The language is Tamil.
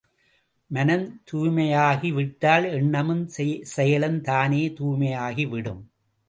மனம் தூய்மையாகி விட்டால் எண்ணமும், செயலும் தானே தூய்மையாகி விடும்.